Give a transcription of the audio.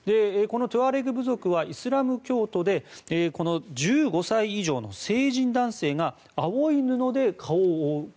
このトゥアレグ部族はイスラム教徒で１５歳以上の成人男性が青い布で顔を覆う。